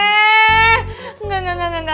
enggak enggak enggak